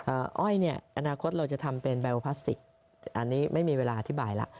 เอ่ออ้อยเนี่ยอนาคตเราจะทำเป็นอันนี้ไม่มีเวลาอธิบายแล้ว